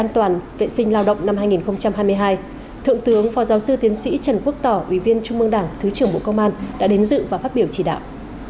trung mương đảng thứ trưởng bộ công an đã đến dự và phát biểu chỉ đạo